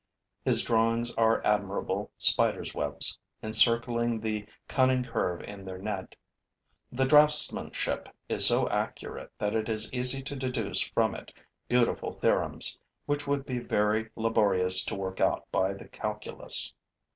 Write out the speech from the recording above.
His drawings are admirable Spider's webs, encircling the cunning curve in their net. The draftsmanship is so accurate that it is easy to deduce from it beautiful theorems, which would be very laborious to work out by the calculus.